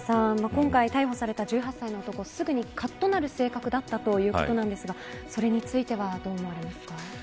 今回逮捕された１８歳の男すぐにかっとなる性格だったということですがそれについてはどう思われますか。